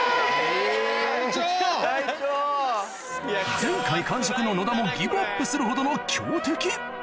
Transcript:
前回完食の野田もギブアップするほどの強敵